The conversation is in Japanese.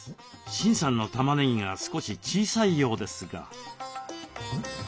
シンさんの玉ねぎが少し小さいようですが。